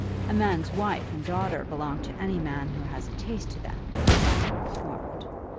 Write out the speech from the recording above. A man's wife and daughters belong to any man who has a taste to them, as I am informed.